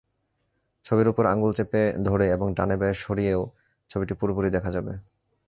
ছবির ওপর আঙুল চেপে ধরে এবং ডানে-বাঁয়ে সরিয়েও ছবিটি পুরোপুরি দেখা যাবে।